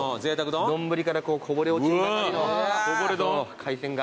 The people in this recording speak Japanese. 丼からこぼれ落ちんばかりの海鮮が。